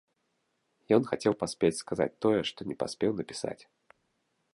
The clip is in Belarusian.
Ён хацеў паспець сказаць тое, што не паспеў напісаць.